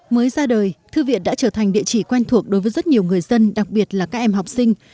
mới ra đời thư viện đã trở thành địa chỉ quen thuộc đối với rất nhiều người dân đặc biệt là các em học sinh